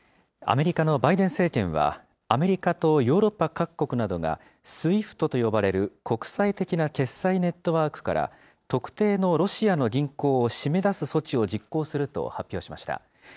アメリカのバイデン政権は、アメリカとヨーロッパ各国などが、ＳＷＩＦＴと呼ばれる国際的な決済ネットワークから、特定のロシアの銀行を締め出す措置を実行すると発表しました。